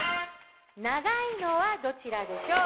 長いのはどちらでしょう。